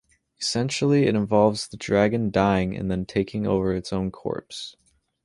Essentially, it involves the dragon dying and then taking over its own corpse.